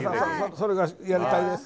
それがやりたいです。